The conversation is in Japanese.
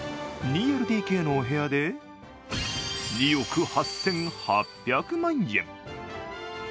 ２ＬＤＫのお部屋で、２億８８００万円。